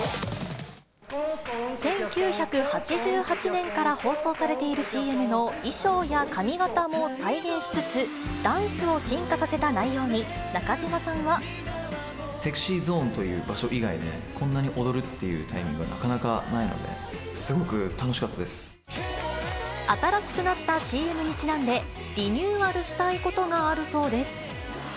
１９８８年から放送されているＣＭの衣装や髪形も再現しつつ、ダンスを進化させた内容に、中島さんは。ＳｅｘｙＺｏｎｅという場所以外で、こんなに踊るっていうタイミングは、なかなかないので、新しくなったＣＭにちなんで、リニューアルしたいことがあるそうです。